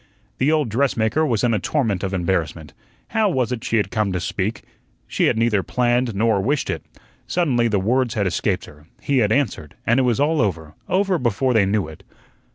The old dressmaker was in a torment of embarrassment. How was it she had come to speak? She had neither planned nor wished it. Suddenly the words had escaped her, he had answered, and it was all over over before they knew it.